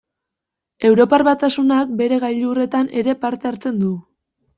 Europar Batasunak bere gailurretan ere parte hartzen du.